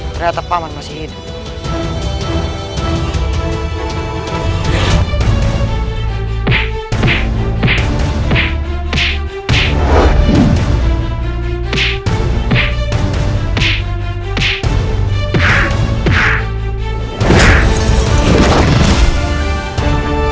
ternyata paman masih hidup